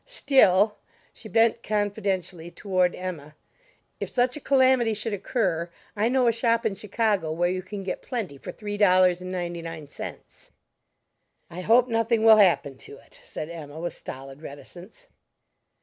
"Still" she bent confidentially toward Emma "if such a calamity should occur, I know a shop in Chicago where you can get plenty for three dollars and ninety nine cents." "I hope nothing will happen to it," said Emma, with stolid reticence.